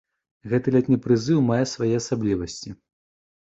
Гэты летні прызыў мае свае асаблівасці.